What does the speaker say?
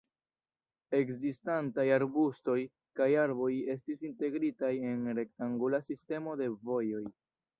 Ekzistantaj arbustoj kaj arboj estis integritaj en rektangula sistemo de vojoj.